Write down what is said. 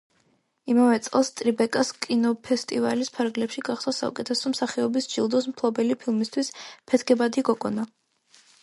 იმავე წელს ტრიბეკას კინოფესტივალის ფარგლებში გახდა საუკეთესო მსახიობის ჯილდოს მფლობელი, ფილმისთვის „ფეთქებადი გოგონა“.